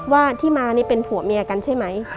ว่าที่มานี่เป็นผัวเมียกันใช่ไหม